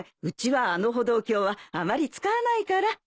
うちはあの歩道橋はあまり使わないから。